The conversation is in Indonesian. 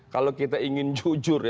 kalau kita ingin jujur